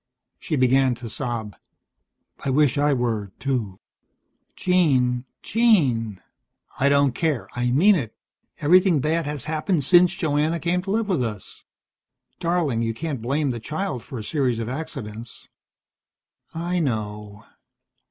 She began to sob. "I wish I were, too." "Jean, Jean " "I don't care. I mean it. Everything bad has happened since Joanna came to live with us." "Darling, you can't blame the child for a series of accidents." "I know."